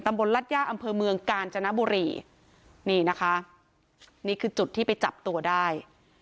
บนรัฐย่าอำเภอเมืองกาญจนบุรีนี่นะคะนี่คือจุดที่ไปจับตัวได้